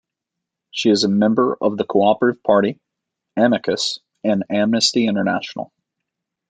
She is a member of the Co-operative Party, Amicus and Amnesty International.